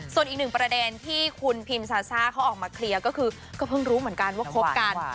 ส่วนอีกหนึ่งประเด็นที่คุณพิมซาซ่าเขาออกมาเคลียร์ก็คือก็เพิ่งรู้เหมือนกันว่าคบกัน